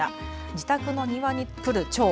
自宅の庭に来るチョウ。